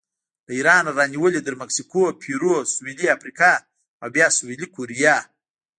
له ایرانه رانیولې تر مکسیکو، پیرو، سویلي افریقا او بیا سویلي کوریا